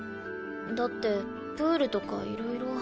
だってプールとかいろいろ。